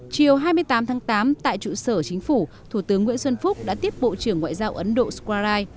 chiều hai mươi tám tháng tám tại trụ sở chính phủ thủ tướng nguyễn xuân phúc đã tiếp bộ trưởng ngoại giao ấn độ squarai